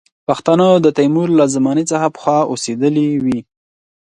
پښتانه د تیمور له زمانې څخه پخوا اوسېدلي وي.